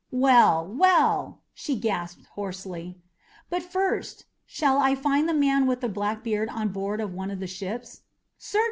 "Well, well!" she gasped hoarsely. "But, first, shall I find the man with the black beard on board of one of the ships?"